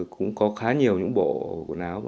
cũng có khá nhiều những bộ quần áo